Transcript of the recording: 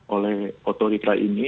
oleh otorita ikn